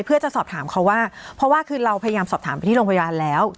เพื่อจะสอบถามเขาว่าเพราะว่าคือเราพยายามสอบถามไปที่โรงพยาบาลแล้ว